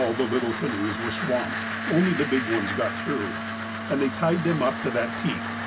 104 THE APOSTLE OF ALASKA little canoes were swamped, only the big ones got through. And they tied them up to that peak.